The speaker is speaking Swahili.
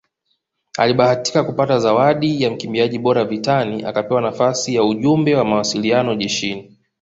Alibahatika kupata zawadi ya mkimbiaji bora vitani akapewa nafasi ya ujumbe wa mawasiliano jeshini